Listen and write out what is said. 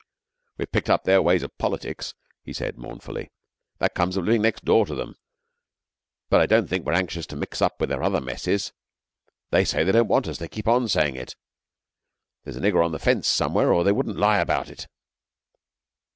'We've picked up their ways of politics,' he said mournfully. 'That comes of living next door to them; but I don't think we're anxious to mix up with their other messes. They say they don't want us. They keep on saying it. There's a nigger on the fence somewhere, or they wouldn't lie about it.'